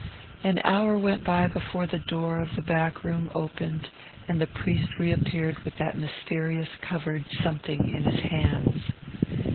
An hour went by before the door of the back room opened and the priest reappeared with that mysterious covered something in his hands.